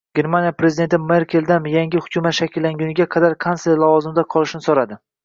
Germaniya prezidenti Merkeldan yangi hukumat shakllangunga qadar kansler lavozimida qolishini so‘radi